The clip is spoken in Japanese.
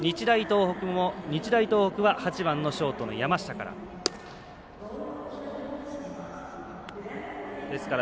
日大東北は８番のショートの山下から。